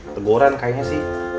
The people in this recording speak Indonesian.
teguran kayaknya sih